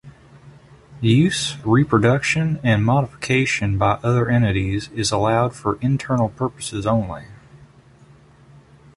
Use, reproduction and modification by other entities is allowed for internal purposes only.